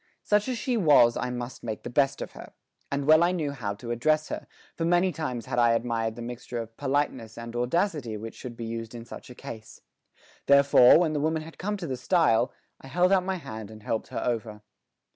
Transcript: Such as she was I must make the best of her, and well I knew how to address her, for many times had I admired the mixture of politeness and audacity which should be used in such a case. Therefore, when the woman had come to the stile, I held out my hand and helped her over.